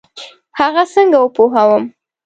هغه څنګه وپوهوم؟